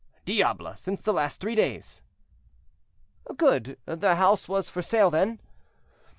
"Diable! since the last three days." "Good! the house was for sale then?"